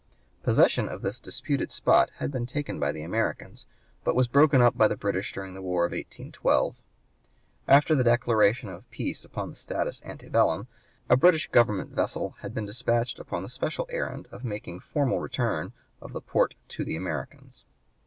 Possession of this disputed spot had been taken by the Americans, but was broken up by the British during the war of 1812. After the declaration of peace upon the status ante bellum, a British government vessel had been dispatched upon the special errand of making formal return of the port to the Americans.